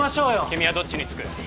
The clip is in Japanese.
君はどっちにつく？